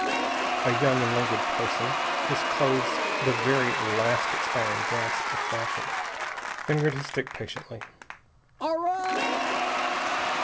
A young and languid person, his clothes the very last expiring gasp of fashion, fingered his stick patiently.